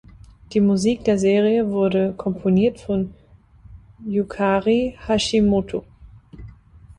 Die Musik der Serie wurde komponiert von Yukari Hashimoto.